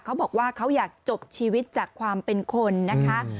เขาบอกว่าเขาอยากจบชีวิตจากความเป็นคนนะคะ